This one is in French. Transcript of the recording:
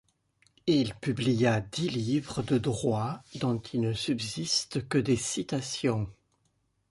Il publia dix livres de droit, dont il ne subsiste que des citations.